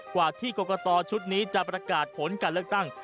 กว่าที่กรกตชุดนี้จะประกาศผลการเลือกตั้ง